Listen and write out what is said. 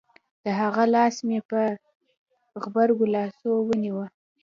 د هغه لاس مې په غبرگو لاسو ونيو.